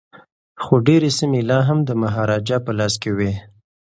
خو ډیري سیمي لا هم د مهاراجا په لاس کي وې.